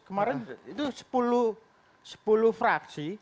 kemarin itu sepuluh fraksi